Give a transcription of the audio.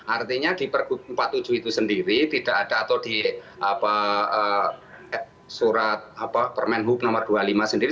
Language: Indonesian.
artinya di pergub empat puluh tujuh itu sendiri tidak ada atau di surat permen hub nomor dua puluh lima sendiri